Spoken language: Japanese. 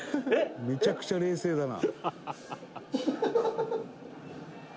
めちゃくちゃ冷静だな。